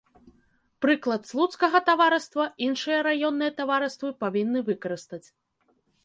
Прыклад слуцкага таварыства іншыя раённыя таварыствы павінны выкарыстаць.